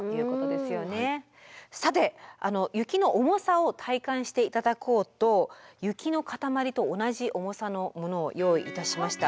さて雪の重さを体感していただこうと雪の塊と同じ重さのものを用意いたしました。